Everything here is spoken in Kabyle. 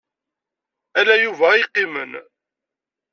Ala Yuba ay yeqqimen.